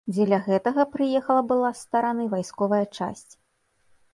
Дзеля гэтага прыехала была з стараны вайсковая часць.